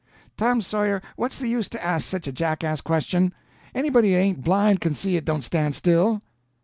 "Tom Sawyer, what's the use to ask such a jackass question? Anybody that ain't blind can see it don't stand still."